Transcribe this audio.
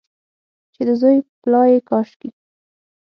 چې د زوی پلا یې کاشکي،